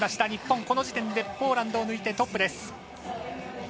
日本、この時点でポーランド抜いてトップです。